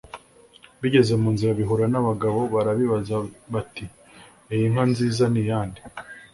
bigeze mu nzira bihura n'abagabo barabibaza bati 'iyi nka nziza ni iyande